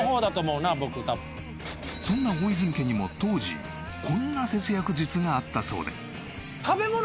そんな大泉家にも当時こんな節約術があったそうで。